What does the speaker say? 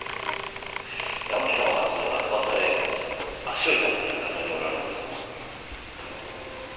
山木様は昨日落馬され足を痛めて館におられます。